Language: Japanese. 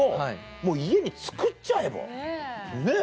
もう家に造っちゃえば？ねぇ。